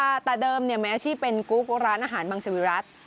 แต่เดิมเนี่ยมีอาชีพเป็นกุ๊กร้านอาหารมังสวิรัติ